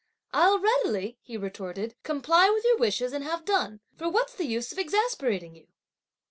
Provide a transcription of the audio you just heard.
"I'll readily," he retorted, "comply with your wishes and have done; for what's the use of exasperating you!"